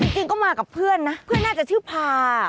จริงก็มากับเพื่อนนะเพื่อนน่าจะชื่อพา